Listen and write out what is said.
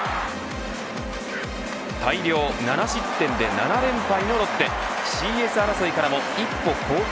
大量７失点で７連敗のロッテ。